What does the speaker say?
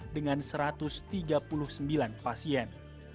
dengan satu ratus tiga puluh sembilan pasien